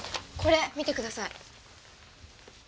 これ見てください。